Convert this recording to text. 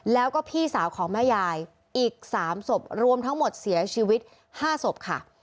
แล้วก็พี่สาวของแม่ยายอีก๓ศพรวมทั้งหมดเสียชีวิต๕ศพค่ะ